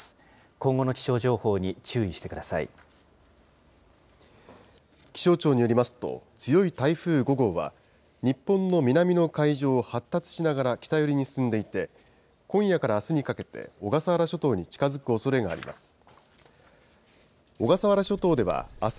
今後の気象情報に注意してくださ気象庁によりますと、強い台風５号は、日本の南の海上を発達しながら北寄りに進んでいて、今夜からあすにかけて、小笠原諸島に近づくおそれがあります。